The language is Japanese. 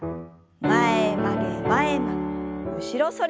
前曲げ前曲げ後ろ反り。